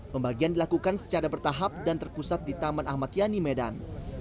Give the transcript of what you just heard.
pembagian dilakukan secara bertahap dan terpusat di taman ahmad yani medan